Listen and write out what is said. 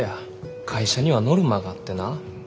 会社にはノルマがあってな